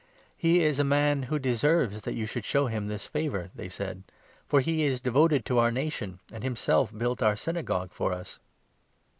" He is a man who deserves that you should show him this favour," they said, " for he is devoted to our nation, and him 5 self built our Synagogue for us."